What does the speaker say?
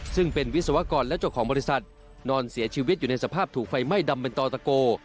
ซึ่งเป็นวิศวกรและเจ้าของบริษัทนอนเสียชีวิตอยู่ในสภาพถูกไฟไหม้ดำเป็นต่อตะโก